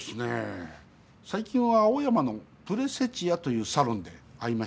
最近は青山のプレセチアというサロンで会いましたよ。